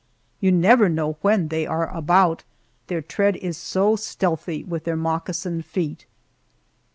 You never know when they are about, their tread is so stealthy with their moccasined feet.